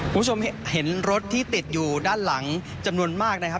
คุณผู้ชมเห็นรถที่ติดอยู่ด้านหลังจำนวนมากนะครับ